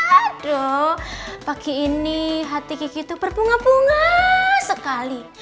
aduh pagi ini hati kiki itu berbunga bunga sekali